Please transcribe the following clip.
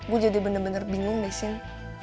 gue jadi bener bener bingung deh sin